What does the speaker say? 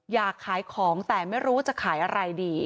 อยากขายของแต่ไม่รู้จะขายอะไรดี